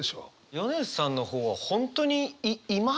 米津さんの方は本当に今ですよね。